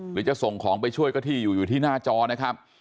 หรือจะส่งของไปช่วยก็ที่อยู่ที่หน้าจอนะครับ